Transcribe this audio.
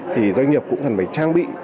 thì doanh nghiệp cũng cần phải trang bị